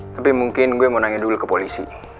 tapi mungkin gue mau nanya dulu ke polisi